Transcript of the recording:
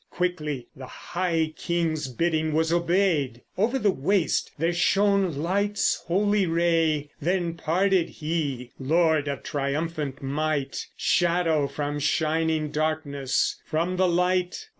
Quickly the High King's bidding was obeyed, Over the waste there shone light's holy ray. Then parted He, Lord of triumphant might, Shadow from shining, darkness from the light.